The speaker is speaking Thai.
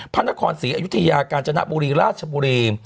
พระนครศรีอยุธยากาญจนบุรีราชบุรี